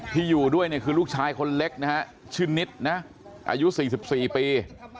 ที่อยู่ด้วยคือลูกชายคนเล็กชื่นนิดนะอายุ๔๔ปี